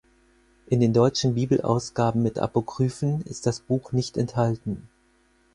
In den deutschen Bibelausgaben mit Apokryphen ist das Buch nicht enthalten.